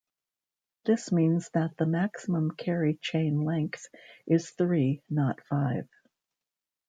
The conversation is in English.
This means that the maximum carry chain length is three, not five.